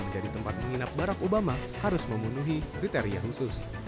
di tempat menginap barak obama harus memenuhi kriteria khusus